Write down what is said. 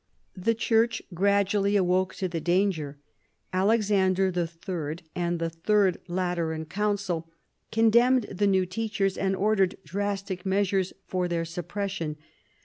The church gradually awoke to the danger. Alexander III. and the Third Lateran Council condemned the new teachers and ordered drastic measures for their suppression.